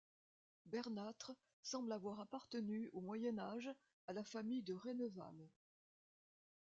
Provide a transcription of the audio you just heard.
Bernâtre semble avoir appartenu au Moyen Âge à la famille de Rayneval.